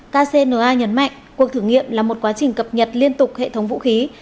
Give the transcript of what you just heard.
kcna nhấn mạnh cuộc thử nghiệm là một quá trình cập nhật liên tục hệ thống vũ khí